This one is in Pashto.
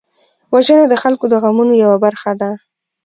وژنه د خلکو د غمونو یوه برخه ده